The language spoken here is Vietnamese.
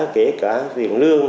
kể cả tiền lương